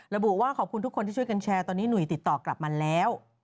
ระบุว่าขอบคุณทุกคนที่ช่วยกันแชร์ตอนนี้หนุ่ยติดต่อกลับมาแล้ว